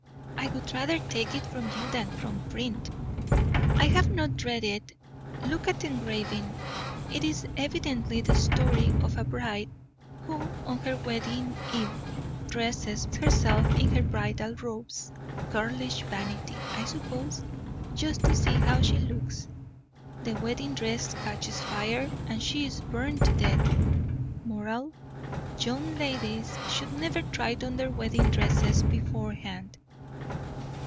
I would rather take it from you than from print." "I have not read it. Look at the engraving. It is evidently the story of a bride who, on her wedding eve, dresses herself in her bridal robes girlish vanity, I suppose just to see how she looks. The wedding dress catches fire, and she is burned to death. Moral: young ladies should never try on their wedding dresses beforehand."